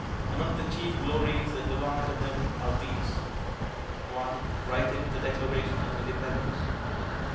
Among the chief glories that belong to him are these: 1. Writing the Declaration of Independence.